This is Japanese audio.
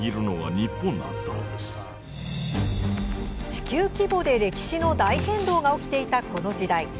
地球規模で歴史の大変動が起きていた、この時代。